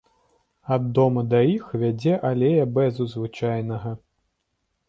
Ад дома да іх вядзе алея бэзу звычайнага.